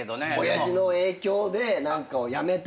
親父の影響で何かをやめたも。